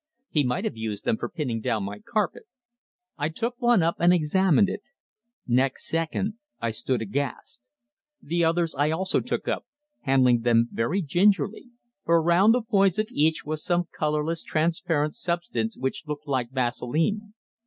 He might have used them for pinning down my carpet. I took one up and examined it. Next second I stood aghast. The others I also took up, handling them very gingerly, for around the points of each was some colourless transparent substance which looked like vaseline.